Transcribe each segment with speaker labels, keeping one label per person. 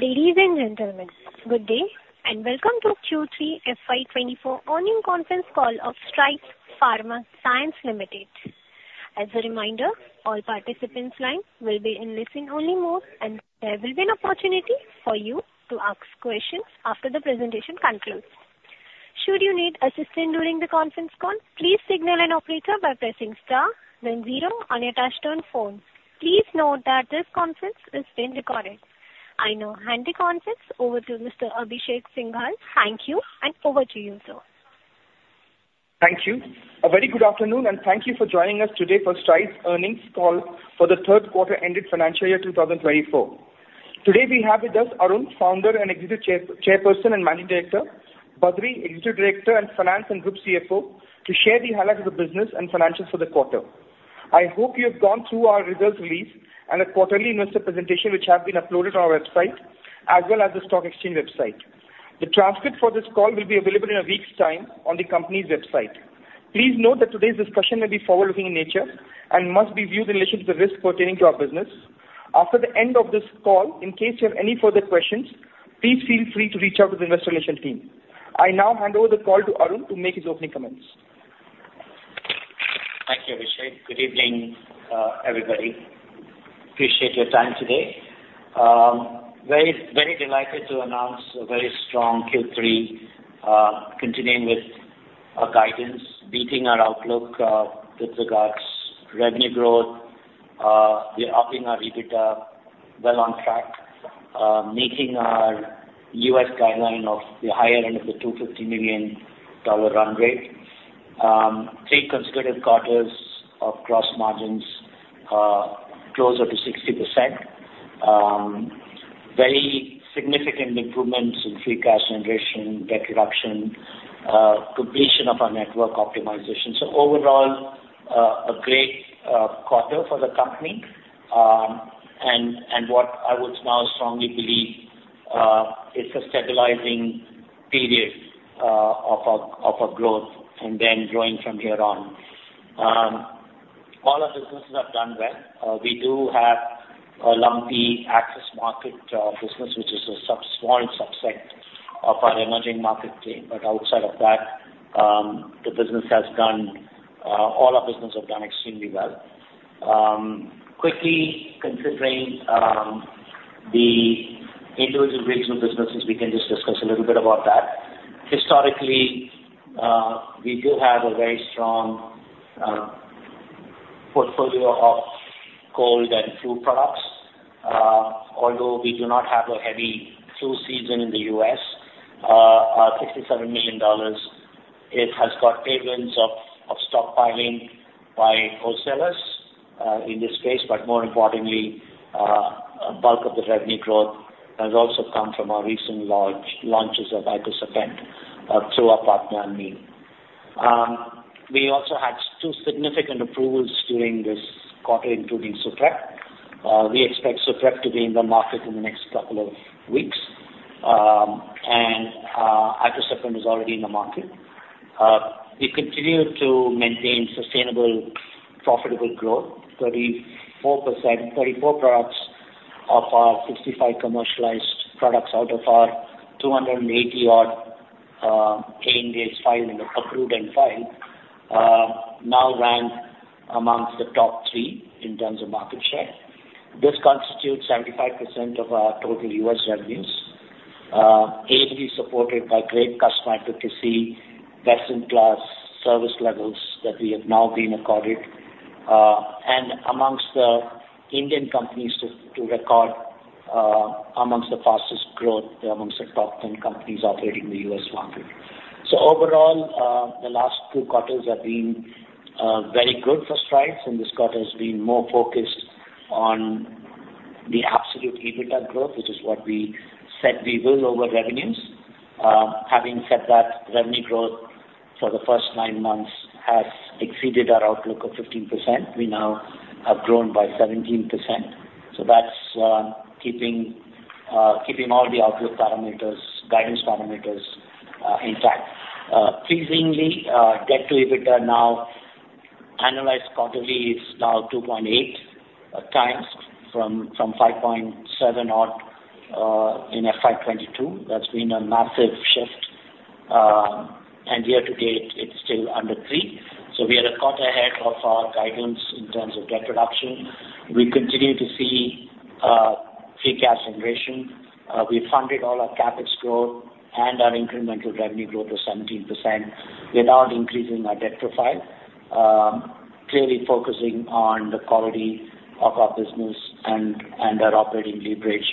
Speaker 1: Ladies and gentlemen, good day, and welcome to Q3 FY 2024 earnings conference call of Strides Pharma Science Limited. As a reminder, all participants' lines will be in listen-only mode, and there will be an opportunity for you to ask questions after the presentation concludes. Should you need assistance during the conference call, please signal an operator by pressing star then zero on your touch-tone phone. Please note that this conference is being recorded. I now hand the conference over to Mr. Abhishek Singhal. Thank you, and over to you, sir.
Speaker 2: Thank you. A very good afternoon, and thank you for joining us today for Strides earnings call for the third quarter ended financial year 2024. Today, we have with us Arun, Founder and Executive Chairperson and Managing Director, Badree, Executive Director and Finance and Group CFO, to share the highlights of the business and financials for the quarter. I hope you have gone through our results release and the quarterly investor presentation, which have been uploaded on our website, as well as the stock exchange website. The transcript for this call will be available in a week's time on the company's website. Please note that today's discussion may be forward-looking in nature and must be viewed in relation to the risks pertaining to our business. After the end of this call, in case you have any further questions, please feel free to reach out to the investor relations team. I now hand over the call to Arun to make his opening comments.
Speaker 3: Thank you, Abhishek. Good evening, everybody. Appreciate your time today. Very, very delighted to announce a very strong Q3, continuing with our guidance, beating our outlook, with regards revenue growth. We're upping our EBITDA well on track, making our U.S. guideline of the higher end of the $250 million run rate. Three consecutive quarters of gross margins, closer to 60%. Very significant improvements in free cash generation, debt reduction, completion of our network optimization. So overall, a great quarter for the company. And what I would now strongly believe is a stabilizing period of our growth and then growing from here on. All our businesses have done well. We do have a lumpy ex-U.S. market business, which is a small subset of our emerging market team, but outside of that, the business has done, all our business have done extremely well. Quickly, considering the individual regional businesses, we can just discuss a little bit about that. Historically, we do have a very strong portfolio of cold and flu products. Although we do not have a heavy flu season in the U.S., our $67 million, it has got tailwinds of stockpiling by wholesalers in this case, but more importantly, a bulk of the revenue growth has also come from our recent launches of icosapent through our partner, Amneal. We also had two significant approvals during this quarter, including SUPREP. We expect SUPREP to be in the market in the next couple of weeks. And icosapent is already in the market. We continue to maintain sustainable, profitable growth, 34%. 34 products of our 65 commercialized products out of our 280-odd INDs filed in the approved and filed now rank amongst the top three in terms of market share. This constitutes 75% of our total U.S. revenues, heavily supported by great customer advocacy, best-in-class service levels that we have now been accorded, and amongst the Indian companies to record amongst the fastest growth amongst the top 10 companies operating in the U.S. market. So overall, the last two quarters have been very good for Strides, and this quarter has been more focused on the absolute EBITDA growth, which is what we said we will over revenues. Having said that, revenue growth for the first nine months has exceeded our outlook of 15%. We now have grown by 17%, so that's keeping all the outlook parameters, guidance parameters, intact. Pleasingly, debt to EBITDA now annualized quarterly is now 2.8x from 5.7x odd in FY 2022. That's been a massive shift, and year to date, it's still under 3x. So we are a quarter ahead of our guidance in terms of debt reduction. We continue to see free cash generation. We funded all our CapEx growth and our incremental revenue growth of 17% without increasing our debt profile. Clearly focusing on the quality of our business and our operating leverage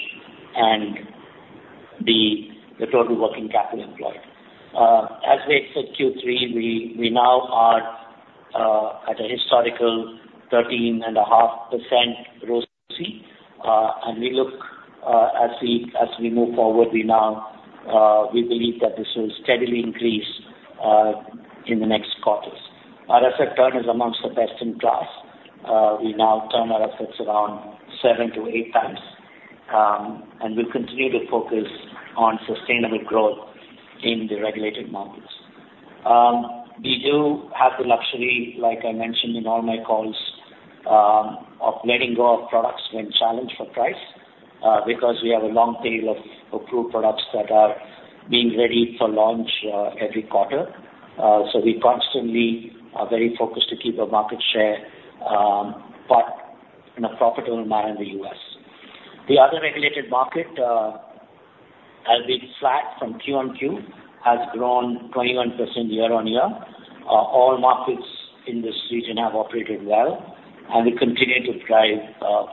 Speaker 3: and the total working capital employed. As we exit Q3, we now are at a historical 13.5% gross margin, and as we move forward, we now believe that this will steadily increase in the next quarters. Our asset turn is amongst the best in class. We now turn our assets around 7x-8x, and we'll continue to focus on sustainable growth in the regulated markets. We do have the luxury, like I mentioned in all my calls, of letting go of products when challenged for price, because we have a long tail of approved products that are being ready for launch, every quarter. So we constantly are very focused to keep our market share, but in a profitable manner in the U.S. The other regulated market has been flat from QoQ, has grown 21% year-on-year. All markets in this region have operated well, and we continue to drive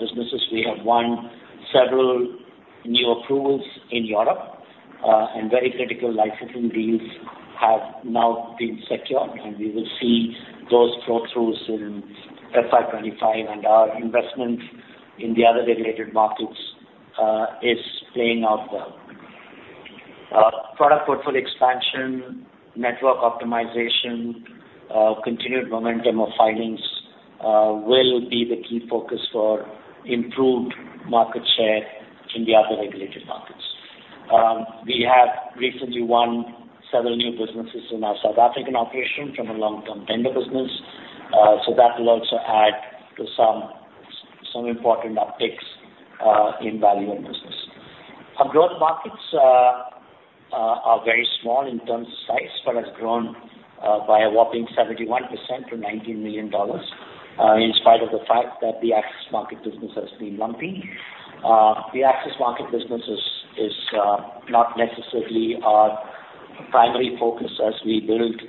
Speaker 3: businesses. We have won several new approvals in Europe, and very critical licensing deals have now been secured, and we will see those flow throughs in FY 2025, and our investment in the other regulated markets is playing out well. Product portfolio expansion, network optimization, continued momentum of filings, will be the key focus for improved market share in the other regulated markets. We have recently won several new businesses in our South African operation from a long-term tender business. So that will also add to some, some important upticks, in value and business. Our growth markets are very small in terms of size, but has grown by a whopping 71% to $19 million, in spite of the fact that the access market business has been lumpy. The access market business is not necessarily our primary focus as we build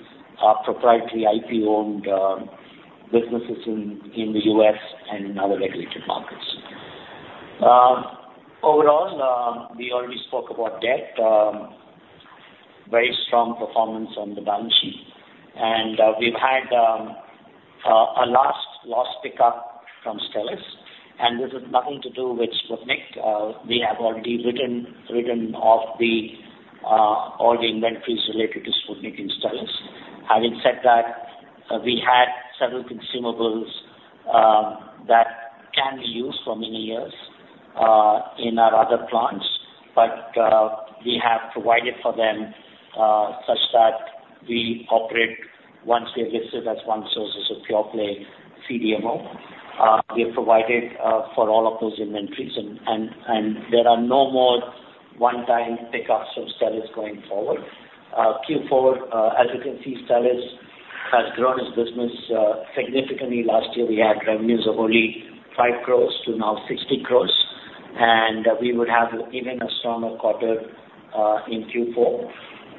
Speaker 3: our proprietary IP-owned businesses in the U.S. and in other regulated markets. Overall, we already spoke about debt. Very strong performance on the balance sheet, and we've had a last loss pickup from Stelis, and this is nothing to do with Sputnik. We have already written off all the inventories related to Sputnik and Stelis. Having said that, we had several consumables that can be used for many years in our other plants, but we have provided for them such that we operate once they're listed as OneSource's pure play CDMO. We have provided for all of those inventories and there are no more one-time pickups from Stelis going forward. Q4, as you can see, Stelis has grown its business significantly. Last year, we had revenues of only 5 crore to now 60 crore, and we would have even a stronger quarter in Q4.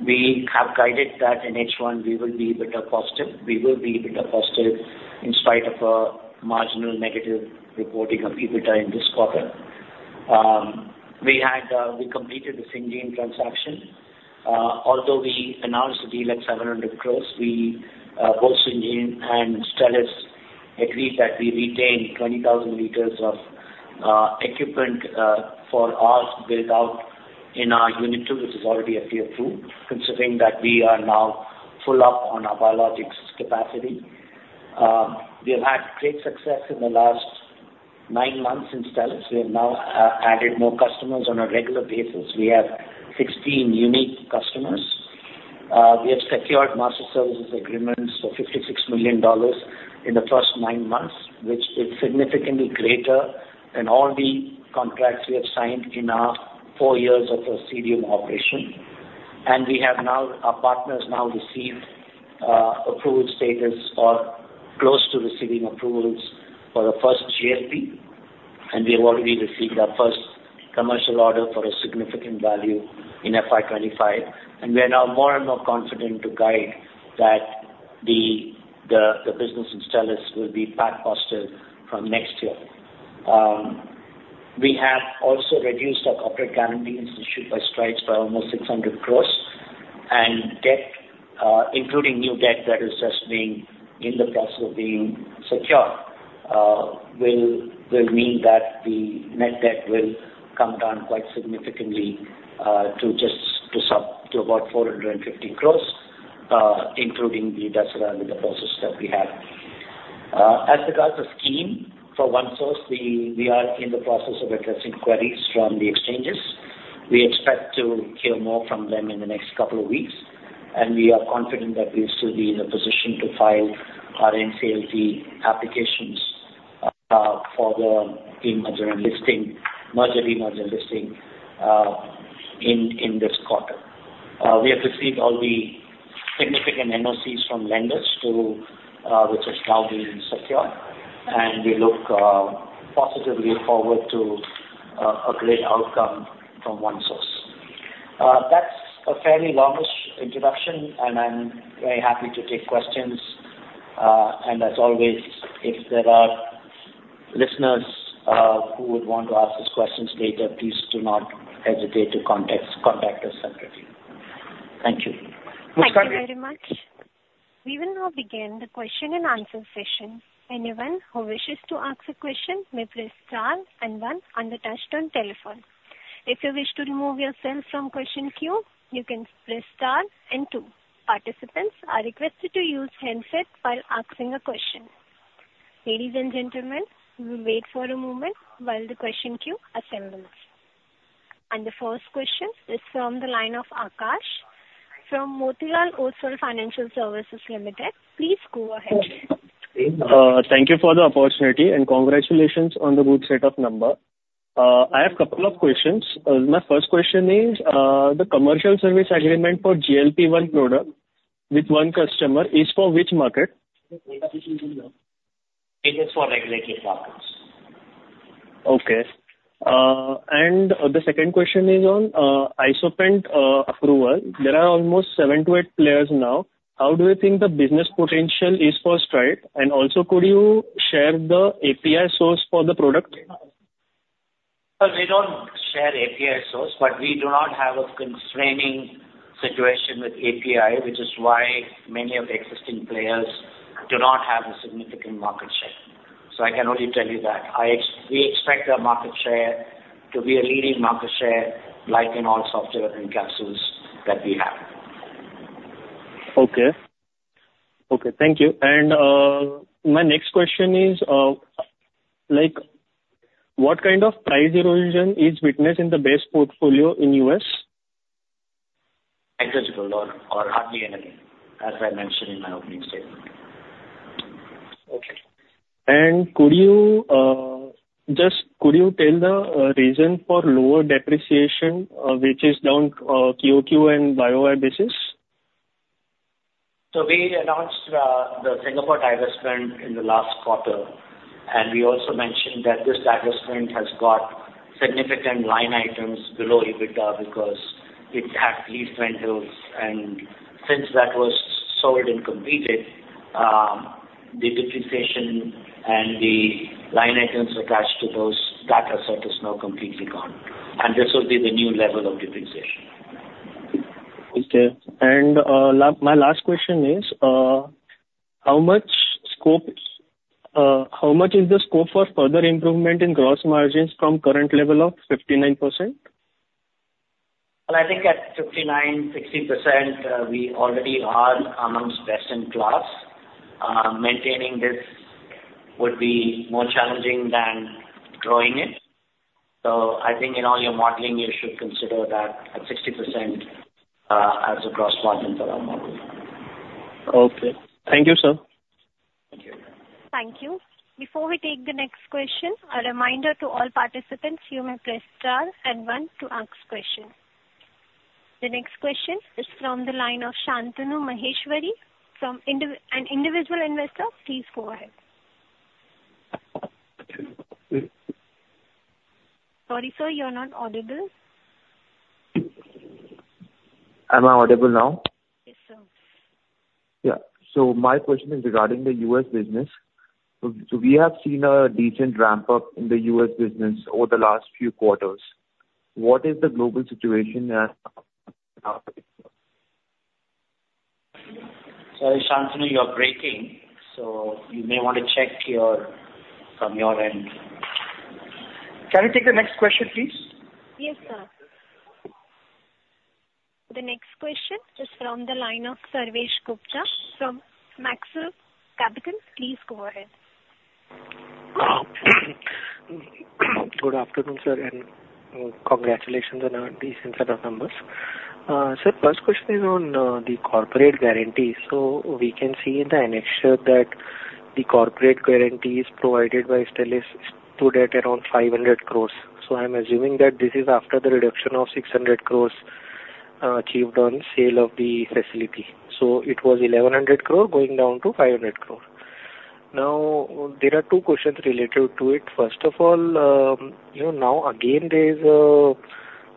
Speaker 3: We have guided that in H1 we will be EBITDA positive. We will be EBITDA positive in spite of a marginal negative reporting of EBITDA in this quarter. We completed the Syngene transaction. Although we announced the deal at 700 crore, both Syngene and Stelis agreed that we retain 20,000 liters of equipment for our build-out in our unit two, which is already FDA approved, considering that we are now full up on our Biologics capacity. We have had great success in the last nine months in Stelis. We have now added more customers on a regular basis. We have 16 unique customers. We have secured master services agreements for $56 million in the first nine months, which is significantly greater than all the contracts we have signed in our four years of CDMO operation. We have now, our partners now received approved status or close to receiving approvals for the first GMP, and we have already received our first commercial order for a significant value in FY 2025, and we are now more and more confident to guide that the business in Stelis will be path positive from next year. We have also reduced our corporate guarantees issued by Strides by almost 600 crore, and debt, including new debt that is just being in the process of being secured, will mean that the net debt will come down quite significantly, to just some, to about 450 crore, including the debt surrounding the process that we have. As regards the scheme for OneSource, we are in the process of addressing queries from the exchanges. We expect to hear more from them in the next couple of weeks, and we are confident that we will still be in a position to file our NCLT applications for the demerger and listing, merger and listing in this quarter. We have received all the significant NOCs from lenders to which has now been secured, and we look positively forward to a great outcome from OneSource. That's a fairly longish introduction, and I'm very happy to take questions. As always, if there are listeners who would want to ask these questions later, please do not hesitate to contact us separately. Thank you.
Speaker 1: Thank you very much. We will now begin the question and answer session. Anyone who wishes to ask a question, may press star and one on the touchtone telephone. If you wish to remove yourself from question queue, you can press star and two. Participants are requested to use handset while asking a question. Ladies and gentlemen, we will wait for a moment while the question queue assembles. The first question is from the line of Akash, from Motilal Oswal Financial Services Limited. Please go ahead.
Speaker 4: Thank you for the opportunity, and congratulations on the good set of number. I have a couple of questions. My first question is, the commercial service agreement for GLP-1 product with one customer is for which market?
Speaker 3: It is for regulated markets.
Speaker 4: Okay. And the second question is on icosapent approval. There are almost seven to eight players now. How do you think the business potential is for Strides? And also, could you share the API source for the product?
Speaker 3: Well, we don't share API source, but we do not have a constraining situation with API, which is why many of the existing players do not have a significant market share. So I can only tell you that. I expect we expect our market share to be a leading market share, like in all soft gelatin capsules that we have.
Speaker 4: Okay. Okay, thank you. My next question is, like, what kind of price erosion is witnessed in the base portfolio in the U.S.?
Speaker 3: Negligible or hardly any, as I mentioned in my opening statement.
Speaker 4: Okay. And could you just could you tell the reason for lower depreciation, which is down QoQ and YoY basis?
Speaker 3: We announced the Singapore divestment in the last quarter, and we also mentioned that this divestment has got significant line items below EBITDA, because it had lease rentals. Since that was sold and completed, the depreciation and the line items attached to those data set is now completely gone, and this will be the new level of depreciation.
Speaker 4: Okay. And, my last question is, how much scope, how much is the scope for further improvement in gross margins from current level of 59%?
Speaker 3: Well, I think at 59%-60%, we already are amongst best in class. Maintaining this would be more challenging than growing it. So I think in all your modeling, you should consider that at 60%, as a gross margin for our model.
Speaker 4: Okay. Thank you, sir.
Speaker 3: Thank you.
Speaker 1: Thank you. Before we take the next question, a reminder to all participants, you may press star and one to ask question. The next question is from the line of Shantanu Maheshwari from, an individual investor. Please go ahead. Sorry, sir, you're not audible.
Speaker 5: Am I audible now?
Speaker 1: Yes, sir.
Speaker 5: Yeah. So my question is regarding the U.S. business. So we have seen a decent ramp-up in the U.S. business over the last few quarters. What is the global situation now?
Speaker 3: Sorry, Shantanu, you're breaking, so you may want to check your, from your end. Can we take the next question, please?
Speaker 1: Yes, sir. The next question is from the line of Sarvesh Gupta from Maximal Capital. Please go ahead.
Speaker 6: Good afternoon, sir, and congratulations on a decent set of numbers. Sir, first question is on the corporate guarantee. So we can see in the annexure that the corporate guarantees provided by Stelis stood at around 500 crore. So I'm assuming that this is after the reduction of 600 crore achieved on sale of the facility. So it was 1,100 crore going down to 500 crore. Now, there are two questions related to it. First of all, you know, now again, there's a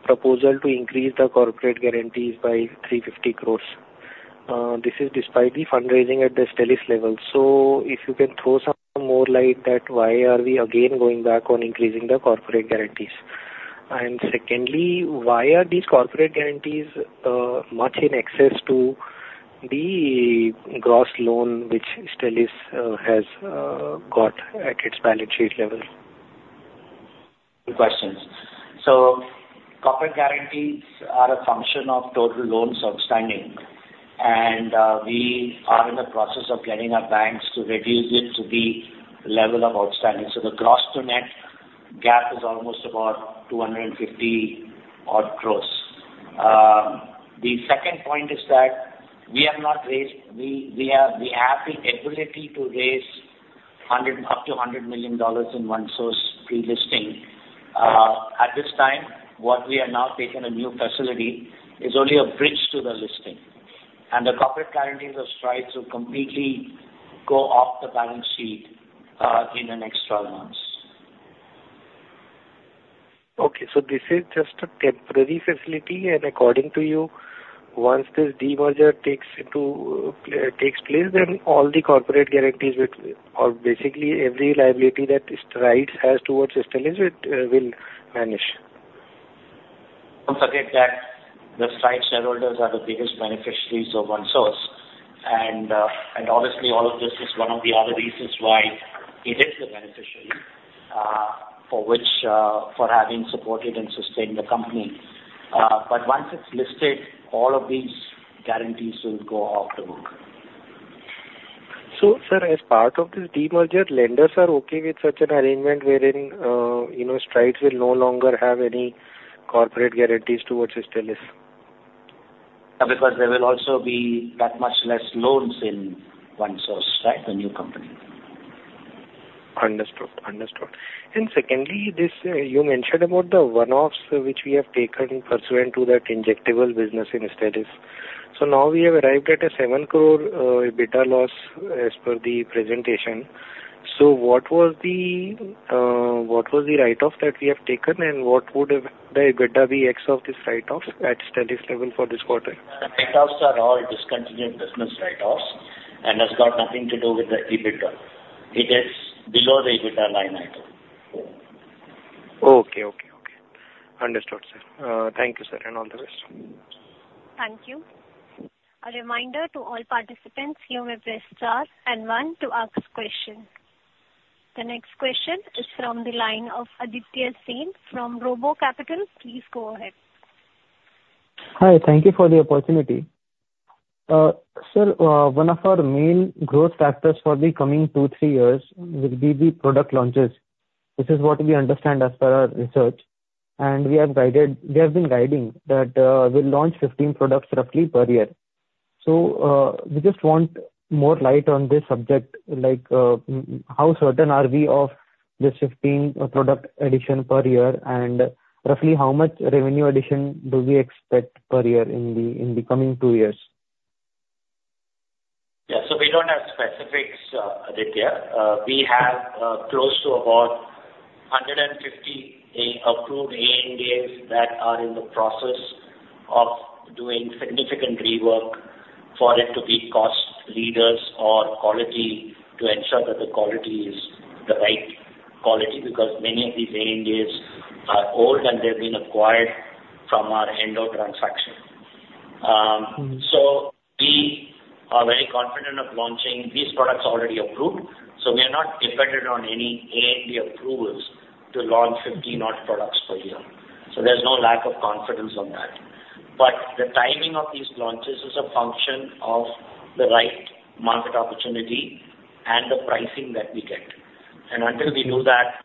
Speaker 6: proposal to increase the corporate guarantees by 350 crore. This is despite the fundraising at the Stelis level. So if you can throw some more light on why we are again going back on increasing the corporate guarantees? And secondly, why are these corporate guarantees much in excess to the gross loan which Stelis has got at its balance sheet level?
Speaker 3: Good questions. So corporate guarantees are a function of total loans outstanding, and we are in the process of getting our banks to reduce it to the level of outstanding. So the gross to net gap is almost about 250 crore. The second point is that we have not raised. We have the ability to raise up to $100 million in OneSource pre-listing. At this time, what we are now taking a new facility is only a bridge to the listing, and the corporate guarantees of Strides will completely go off the balance sheet in the next 12 months.
Speaker 6: Okay, so this is just a temporary facility, and according to you, once this demerger takes place, then all the corporate guarantees, which are basically every liability that Strides has towards Stelis, it will manage.
Speaker 3: Don't forget that the Strides shareholders are the biggest beneficiaries of OneSource. And, and obviously, all of this is one of the other reasons why it is the beneficiary, for which, for having supported and sustained the company. But once it's listed, all of these guarantees will go off the hook.
Speaker 6: So, sir, as part of this demerger, lenders are okay with such an arrangement wherein, you know, Strides will no longer have any corporate guarantees towards Stelis?
Speaker 3: Because there will also be that much less loans in OneSource, right? The new company.
Speaker 6: Understood. Understood. And secondly, this, you mentioned about the one-offs which we have taken pursuant to that injectable business in Stelis. So now we have arrived at 7 crore EBITDA loss as per the presentation. So what was the, what was the write-off that we have taken, and what would the EBITDA be ex of this write-off at Stelis level for this quarter?
Speaker 3: The write-offs are all discontinued business write-offs and has got nothing to do with the EBITDA. It is below the EBITDA line item.
Speaker 6: Okay, okay, okay. Understood, sir. Thank you, sir, and all the best.
Speaker 1: Thank you. A reminder to all participants, you may press star and one to ask questions. The next question is from the line of Aditya Sen from Robo Capital. Please go ahead.
Speaker 7: Hi, thank you for the opportunity. Sir, one of our main growth factors for the coming two to three years will be the product launches. This is what we understand as per our research, and we have guided—we have been guiding that we'll launch 15 products roughly per year. So, we just want more light on this subject, like, how certain are we of the 15 product addition per year, and roughly how much revenue addition do we expect per year in the, in the coming two years?
Speaker 3: Yeah. So we don't have specifics, Aditya. We have close to about 150 approved ANDAs that are in the process of doing significant rework for it to be cost leaders or quality, to ensure that the quality is the right quality, because many of these ANDAs are old, and they've been acquired from our Endo transaction.
Speaker 7: Mm-hmm.
Speaker 3: So we are very confident of launching these products already approved, so we are not dependent on any ANDA approvals to launch 50-odd products per year. So there's no lack of confidence on that. But the timing of these launches is a function of the right market opportunity and the pricing that we get. And until we know that,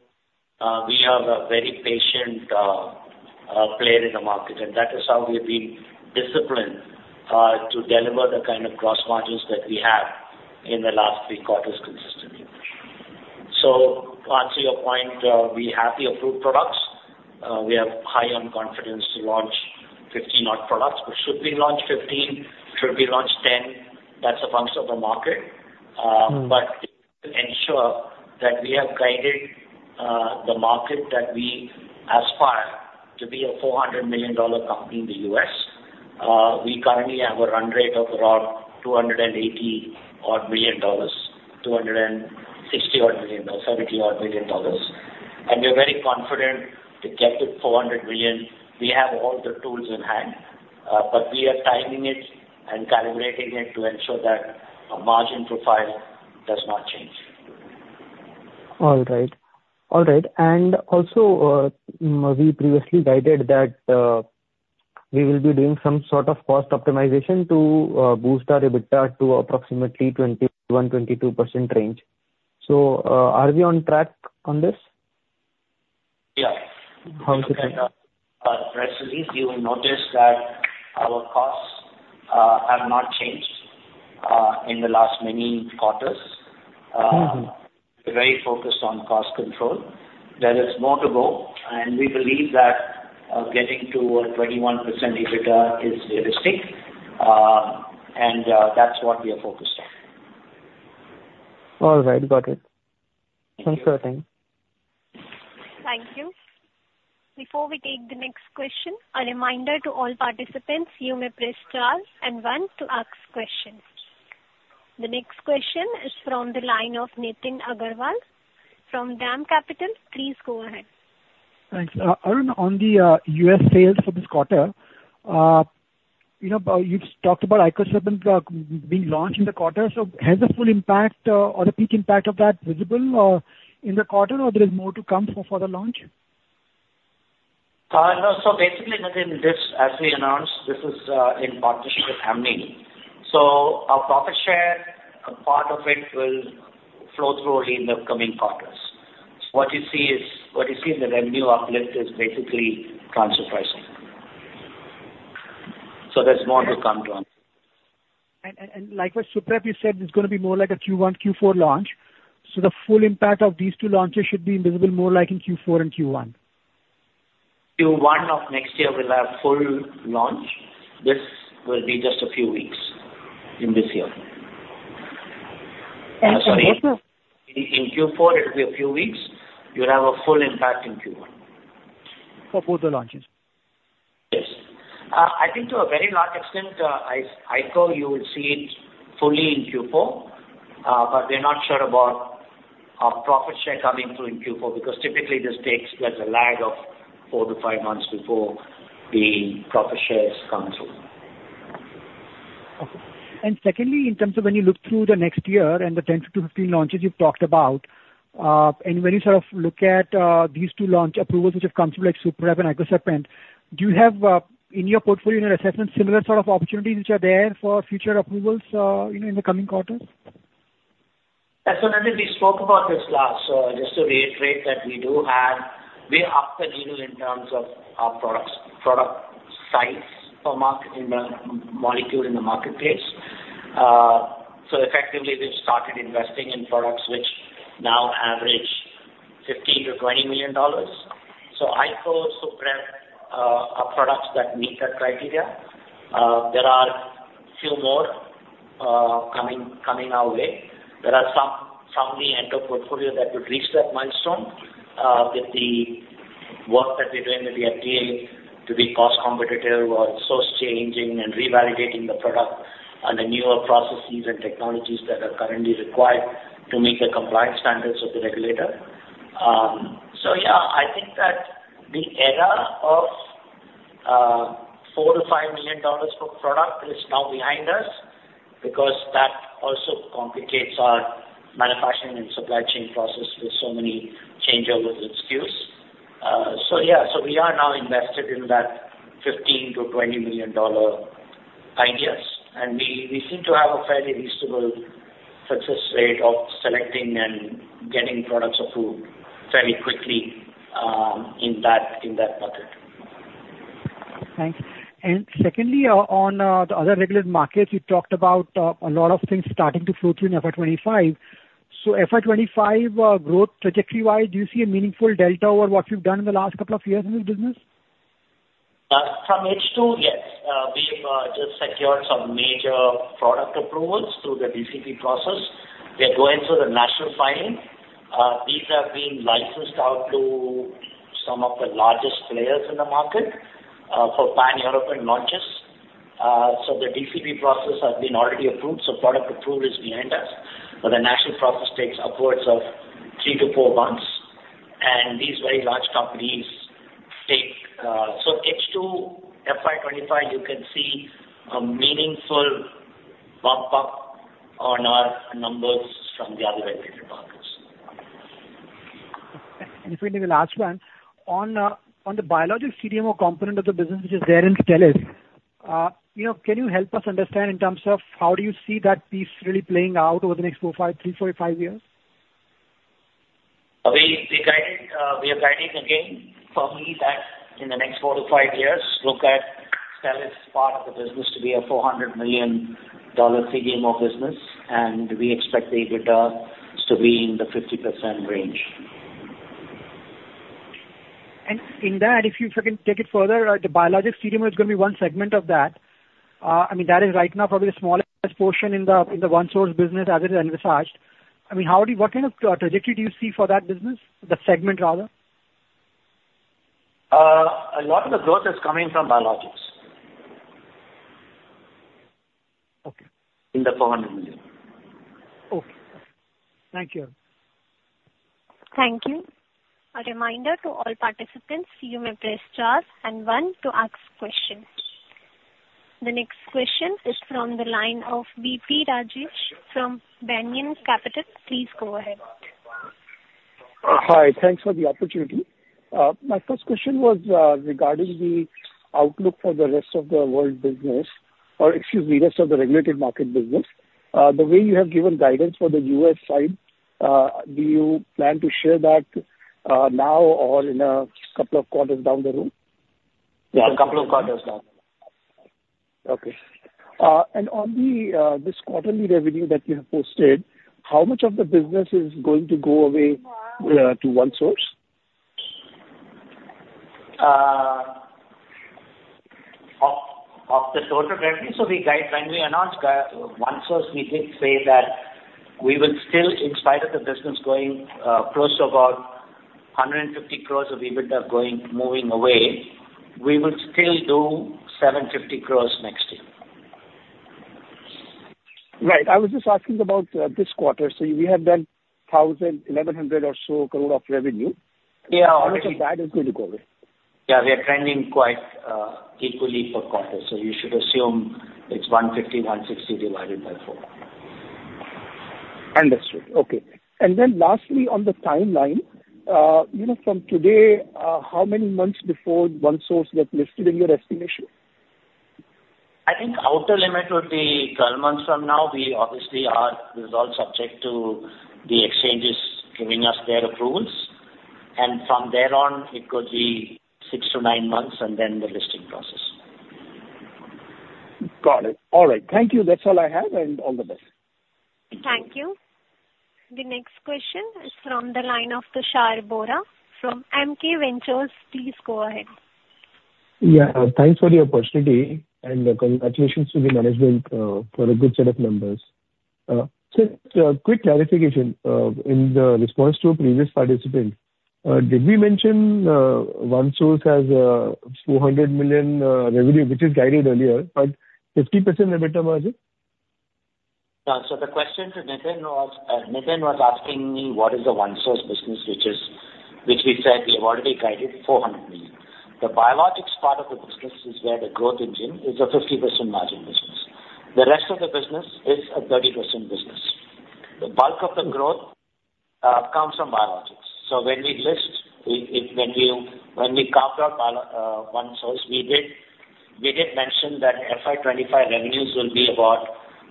Speaker 3: we are a very patient player in the market, and that is how we've been disciplined to deliver the kind of gross margins that we have in the last three quarters consistently. So to answer your point, we have the approved products. We have high on confidence to launch 50-odd products, which should we launch 15, should we launch 10, that's a function of the market.
Speaker 7: Mm.
Speaker 3: Ensure that we have guided the market that we aspire to be a $400 million company in the U.S. We currently have a run rate of around $280-odd million, $260-odd million, $70-odd million. We're very confident to get to $400 million. We have all the tools in hand, but we are timing it and calibrating it to ensure that our margin profile does not change.
Speaker 7: All right. All right, and also, we previously guided that, we will be doing some sort of cost optimization to, boost our EBITDA to approximately 21%-22% range. So, are we on track on this?
Speaker 3: Yeah.
Speaker 7: How is it going?
Speaker 3: Presently, you will notice that our costs have not changed in the last many quarters.
Speaker 7: Mm-hmm.
Speaker 3: We're very focused on cost control. There is more to go, and we believe that getting to a 21% EBITDA is realistic, and that's what we are focused on.
Speaker 7: All right. Got it.
Speaker 3: Thank you.
Speaker 7: Thanks for your time.
Speaker 1: Thank you. Before we take the next question, a reminder to all participants, you may press star and one to ask questions. The next question is from the line of Nitin Agarwal from DAM Capital. Please go ahead.
Speaker 8: Thanks. Arun, on the U.S. sales for this quarter, you know, you've talked about icosapent being launched in the quarter. So has the full impact or the peak impact of that visible in the quarter, or there is more to come for further launch?
Speaker 3: No. So basically, Nitin, this, as we announced, this is in partnership with Amneal. So our profit share, a part of it will flow through in the coming quarters. What you see is, what you see in the revenue uplift is basically transfer pricing. So there's more to come from.
Speaker 8: And like what SUPREP you said, it's gonna be more like a Q1, Q4 launch. So the full impact of these two launches should be visible more like in Q4 and Q1.
Speaker 3: Q1 of next year, we'll have full launch. This will be just a few weeks in this year.
Speaker 8: Thank you.
Speaker 3: Sorry, in Q4, it'll be a few weeks. You'll have a full impact in Q1.
Speaker 8: For both the launches?
Speaker 3: Yes. I think to a very large extent, icosapent, you will see it fully in Q4, but we're not sure about our profit share coming through in Q4, because typically this takes, there's a lag of four to five months before the profit shares come through.
Speaker 8: Okay. Secondly, in terms of when you look through the next year and the 10-15 launches you've talked about, and when you sort of look at these two launch approvals which have come through, like SUPREP and icosapent, do you have in your portfolio, in your assessment, similar sort of opportunities which are there for future approvals, you know, in the coming quarters?
Speaker 3: Yeah. So, Nandan, we spoke about this last, so just to reiterate that we do have, we're moving the needle in terms of our products, product size for market, in the molecule in the marketplace. So effectively, we've started investing in products which now average $15 million-$20 million. So ICO, SUPREP, are products that meet that criteria. There are few more coming our way. There are some in the end of portfolio that would reach that milestone, with the work that we're doing with the FDA to be cost competitive or source changing and revalidating the product on the newer processes and technologies that are currently required to meet the compliance standards of the regulator. So yeah, I think that the era of $4 million-$5 million per product is now behind us, because that also complicates our manufacturing and supply chain process with so many changeovers and SKUs. So yeah, so we are now invested in that $15 million-$20 million ideas, and we, we seem to have a fairly reasonable success rate of selecting and getting products approved very quickly, in that budget.
Speaker 8: Thanks. And secondly, on, the other regulated markets, you talked about, a lot of things starting to flow through in FY 2025. So FY 2025, growth trajectory-wise, do you see a meaningful delta over what you've done in the last couple of years in this business?
Speaker 3: From H2, yes. We've just secured some major product approvals through the DCP process. We are going through the national filing. These have been licensed out to some of the largest players in the market, for pan-European launches. So the DCP process has been already approved, so product approval is behind us, but the national process takes upwards of three to four months, and these very large companies take. So H2, FY 2025, you can see a meaningful bump up on our numbers from the other regulated markets.
Speaker 8: And finally, the last one. On, on the biologic CDMO component of the business, which is there in Stelis, you know, can you help us understand in terms of how do you see that piece really playing out over the next four, five, three, four, five years?
Speaker 3: We guided, we are guiding again, firmly that in the next four to five years, look at Stelis part of the business to be a $400 million CDMO business, and we expect the EBITDA to be in the 50% range.
Speaker 8: In that, if you can take it further, the biologic CDMO is going to be one segment of that. I mean, that is right now probably the smallest portion in the OneSource business as it is envisaged. I mean, how do you, what kind of trajectory do you see for that business, the segment rather?
Speaker 3: A lot of the growth is coming from Biologics.
Speaker 8: Okay.
Speaker 3: In the INR 400 million.
Speaker 8: Okay. Thank you.
Speaker 1: Thank you. A reminder to all participants, you may press star and one to ask questions. The next question is from the line of V.P. Rajesh from Banyan Capital. Please go ahead.
Speaker 9: Hi. Thanks for the opportunity. My first question was regarding the outlook for the rest of the world business, or excuse me, rest of the regulated market business. The way you have given guidance for the U.S. side, do you plan to share that now or in a couple of quarters down the road?
Speaker 3: Yeah, a couple of quarters down.
Speaker 9: Okay. And on this quarterly revenue that you have posted, how much of the business is going to go away to OneSource?
Speaker 3: Of the total revenue, so we guide—when we announced OneSource, we did say that we will still, in spite of the business going close to about 150 crore of EBITDA going moving away, we will still do 750 crore next year.
Speaker 9: Right. I was just asking about this quarter. So you have done 1,000 crore-1,100 crore or so of revenue.
Speaker 3: Yeah.
Speaker 9: How much of that is going to go away?
Speaker 3: Yeah, we are trending quite equally for quarter, so you should assume it's 150-160 divided by four.
Speaker 9: Understood. Okay. Lastly, on the timeline, you know, from today, how many months before OneSource get listed in your estimation?
Speaker 3: I think outer limit would be 12 months from now. We obviously are. This is all subject to the exchanges giving us their approvals, and from there on, it could be six to nine months, and then the listing process.
Speaker 9: Got it. All right. Thank you. That's all I have, and all the best.
Speaker 1: Thank you. The next question is from the line of Tushar Bohra from MK Ventures. Please go ahead.
Speaker 10: Yeah. Thanks for the opportunity, and congratulations to the management, for a good set of numbers. Just a quick clarification, in the response to a previous participant, did we mention, OneSource has, 400 million revenue, which is guided earlier, but 50% EBITDA margin?
Speaker 3: Yeah. So the question to Nitin was, Nitin was asking me what is the OneSource business, which is, which we said we have already guided $400 million. The Biologics part of the business is where the growth engine is a 50% margin business. The rest of the business is a 30% business. The bulk of the growth comes from Biologics. So when we list, when we carved out OneSource, we did mention that FY 2025 revenues will be about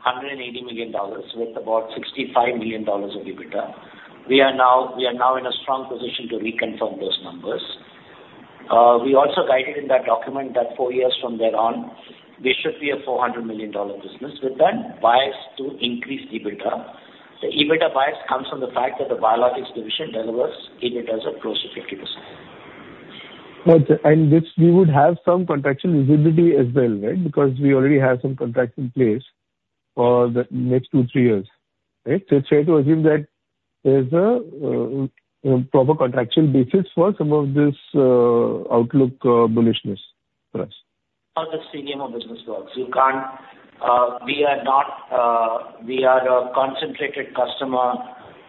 Speaker 3: $180 million, with about $65 million of EBITDA. We are now in a strong position to reconfirm those numbers. We also guided in that document that four years from there on, we should be a $400 million business, with that bias to increase EBITDA. The EBITDA bias comes from the fact that the Biologics division delivers EBITDA of close to 50%.
Speaker 10: Got you. And this, we would have some contractual visibility as well, right? Because we already have some contracts in place for the next two to three years. Right? So it's fair to assume that there's a proper contractual basis for some of this outlook, bullishness for us.
Speaker 3: How the CMO business works. You can't, we are not, we are a concentrated customer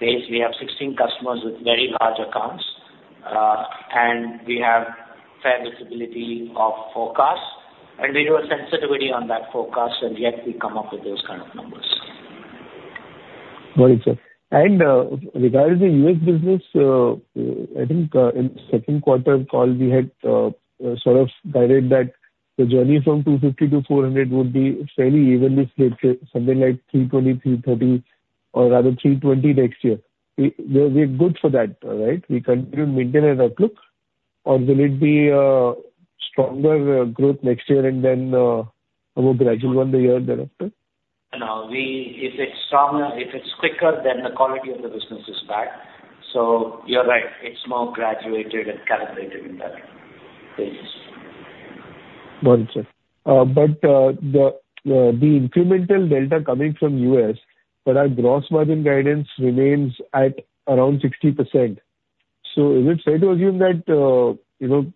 Speaker 3: base. We have 16 customers with very large accounts, and we have fair visibility of forecast, and we do a sensitivity on that forecast, and yet we come up with those kind of numbers.
Speaker 10: Got it, sir. And, regarding the U.S. business, I think, in second quarter call, we had, sort of guided that the journey from $250 to $400 would be fairly evenly split, something like $320, $330, or rather $320 next year. We're good for that, right? We continue to maintain an outlook, or will it be a stronger growth next year and then, a gradual one the year thereafter?
Speaker 3: No, if it's stronger, if it's quicker, then the quality of the business is back. So you're right, it's more graduated and calibrated in that phase.
Speaker 10: Got it, sir. But the incremental delta coming from U.S., but our gross margin guidance remains at around 60%. So is it fair to assume that, you know,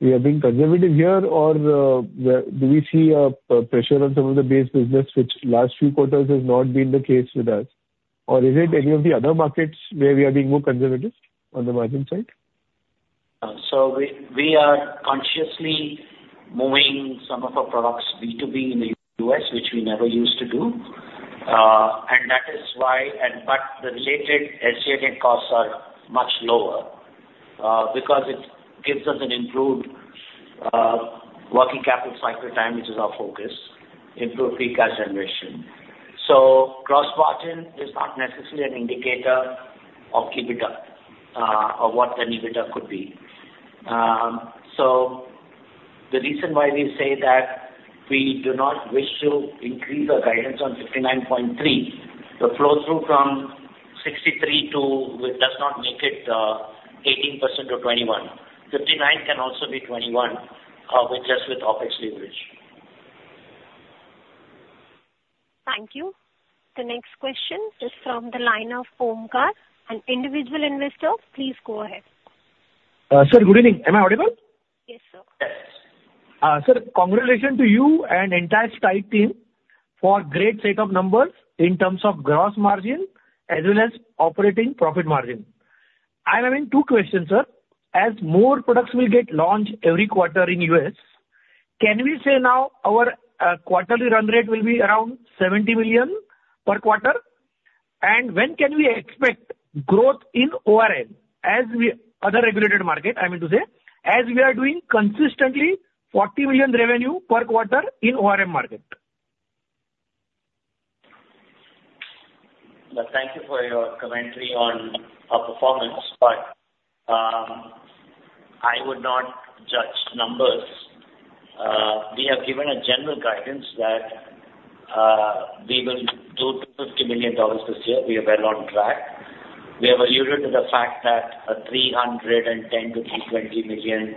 Speaker 10: we are being conservative here, or do we see a pressure on some of the base business, which last few quarters has not been the case with us? Or is it any of the other markets where we are being more conservative on the margin side?
Speaker 3: So we are consciously moving some of our products B2B in the U.S., which we never used to do. And that is why the related associated costs are much lower, because it gives us an improved working capital cycle time, which is our focus, improve free cash generation. So gross margin is not necessarily an indicator of EBITDA or what the EBITDA could be. So the reason why we say that we do not wish to increase our guidance on 59.3, the flow through from 63 to, it does not make it 18%-21%. 59 can also be 21, with OpEx leverage.
Speaker 1: Thank you. The next question is from the line of Omkar, an individual investor. Please go ahead.
Speaker 11: Sir, good evening. Am I audible?
Speaker 1: Yes, sir.
Speaker 11: Sir, congratulations to you and entire Strides team for great set of numbers in terms of gross margin as well as operating profit margin. I'm having two questions, sir. As more products will get launched every quarter in U.S., can we say now our quarterly run rate will be around $70 million per quarter? And when can we expect growth in ORM, I mean to say, as we are doing consistently $40 million revenue per quarter in ORM market?
Speaker 3: Thank you for your commentary on our performance, but, I would not judge numbers. We have given a general guidance that, we will do $50 million this year. We are well on track. We have alluded to the fact that a $310 million-$320 million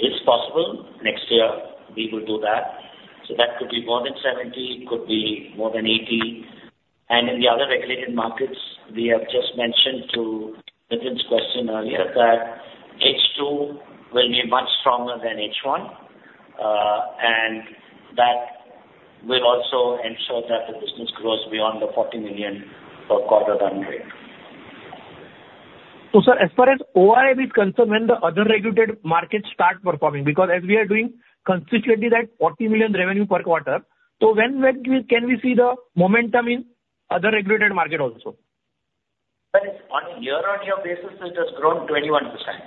Speaker 3: is possible. Next year, we will do that. So that could be more than $70 million, it could be more than $80 million. And in the other regulated markets, we have just mentioned to Nitin's question earlier, that H2 will be much stronger than H1, and that will also ensure that the business grows beyond the $40 million per quarter run rate.
Speaker 11: So, sir, as far as [ORM] is concerned, when the other regulated markets start performing, because as we are doing consistently that 40 million revenue per quarter, so when can we see the momentum in other regulated market also?
Speaker 3: But on a year-on-year basis, it has grown 21%,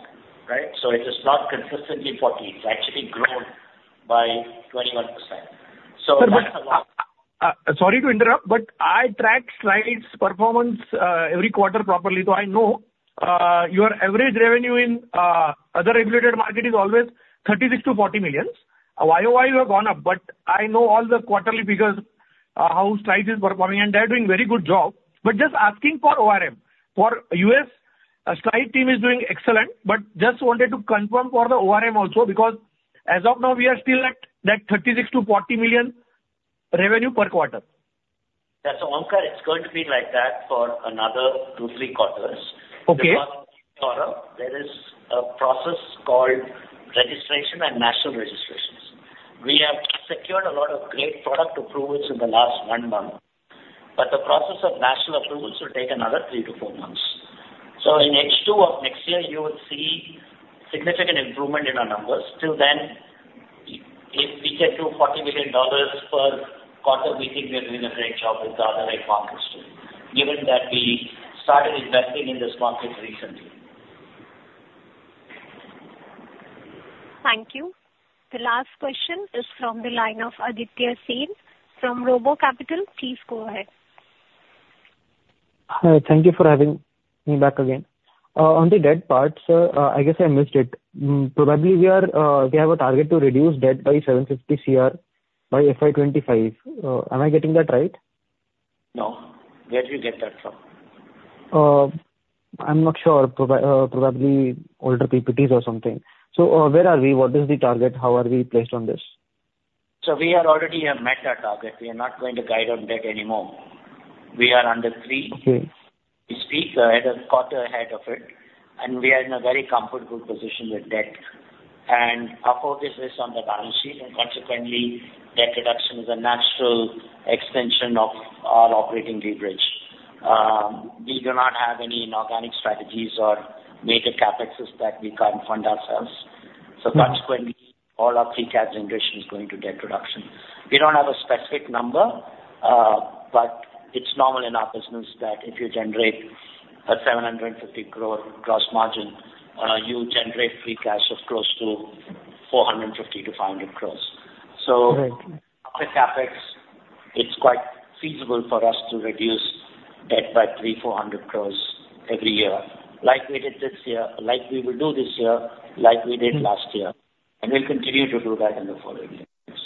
Speaker 3: right? So it is not consistently 40. It's actually grown by 21%. So-
Speaker 11: Sorry to interrupt, but I track Strides' performance every quarter properly, so I know your average revenue in other regulated market is always $36 million-$40 million. YoY have gone up, but I know all the quarterly figures, how Strides is performing, and they are doing very good job. But just asking for ORM. For U.S., Strides team is doing excellent, but just wanted to confirm for the ORM also, because as of now, we are still at that $36 million-$40 million revenue per quarter.
Speaker 3: Yes, so Omkar, it's going to be like that for another two, three quarters.
Speaker 11: Okay.
Speaker 3: There is a process called registration and national registration. We've got a lot of great product approvals in the last one month, but the process of national approvals will take another three to four months. So in H2 of next year, you will see significant improvement in our numbers. Till then, if we get to $40 million per quarter, we think we are doing a great job with the other eight markets, too, given that we started investing in this market recently.
Speaker 1: Thank you. The last question is from the line of Aditya Sen from Robo Capital. Please go ahead.
Speaker 7: Hi, thank you for having me back again. On the debt part, sir, I guess I missed it. Probably we are, we have a target to reduce debt by 750 crore by FY 2025. Am I getting that right?
Speaker 3: No. Where did you get that from?
Speaker 7: I'm not sure. Probably older PPTs or something. So, where are we? What is the target? How are we placed on this?
Speaker 3: So we have already met our target. We are not going to guide on debt anymore. We are under three.
Speaker 7: Okay.
Speaker 3: We speak ahead, a quarter ahead of it, and we are in a very comfortable position with debt. Our focus is on the balance sheet, and consequently, debt reduction is a natural extension of our operating leverage. We do not have any inorganic strategies or major CapEx that we can't fund ourselves.
Speaker 7: Mm-hmm.
Speaker 3: So consequently, all our free cash generation is going to debt reduction. We don't have a specific number, but it's normal in our business that if you generate 750 crore gross margin, you generate free cash flow close to 450 crore-500 crore.
Speaker 7: Right.
Speaker 3: So after CapEx, it's quite feasible for us to reduce debt by 300 crore-400 crore every year, like we did this year, like we will do this year, like we did last year.
Speaker 7: Mm.
Speaker 3: We'll continue to do that in the following years.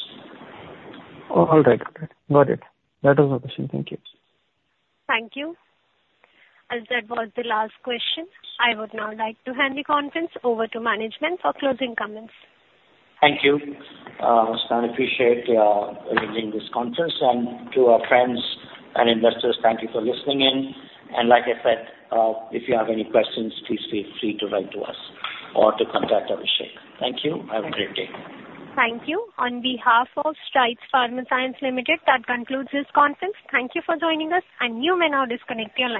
Speaker 7: All right. Okay, got it. That was my question. Thank you.
Speaker 1: Thank you. As that was the last question, I would now like to hand the conference over to management for closing comments.
Speaker 3: Thank you. I appreciate your arranging this conference, and to our friends and investors, thank you for listening in. Like I said, if you have any questions, please feel free to write to us or to contact Abhishek. Thank you. Have a great day.
Speaker 1: Thank you. On behalf of Strides Pharma Science Limited, that concludes this conference. Thank you for joining us, and you may now disconnect your lines.